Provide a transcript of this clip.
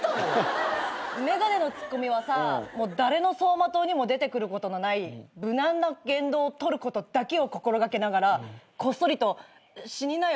眼鏡のツッコミはさ誰の走馬灯にも出てくることのない無難な言動をとることだけを心掛けながらこっそりと死になよ。